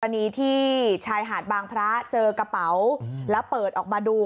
อันนี้ที่ชายหาดบางพระเจอกระเป๋าแล้วเปิดออกมาดู